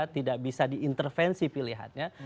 tidak bisa diintervensi pilihannya